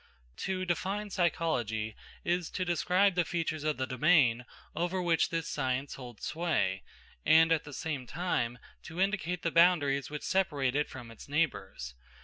To define psychology is to describe the features of the domain over which this science holds sway, and at the same time to indicate the boundaries which separate it from its neighbours.